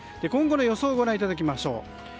今後の予想をご覧いただきます。